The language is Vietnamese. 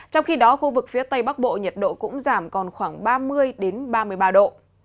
trong khi đó khu vực phía tây bắc bộ nhiệt độ cũng giảm còn khoảng ba mươi ba mươi ba độ